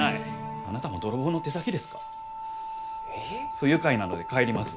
不愉快なので帰ります。